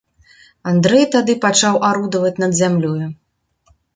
Андрэй тады пачаў арудаваць над зямлёю.